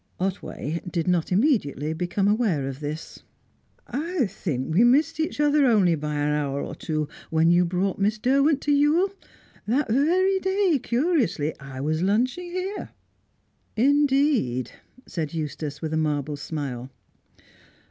Otway did not immediately become aware of this. "I think we missed each other only by an hour or two, when you brought Miss Derwent to Ewell. That very day, curiously, I was lunching here." "Indeed?" said Eustace, with a marble smile.